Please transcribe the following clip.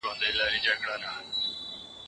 ده وویل چي پښتو زما د هویت او عزت نښه ده.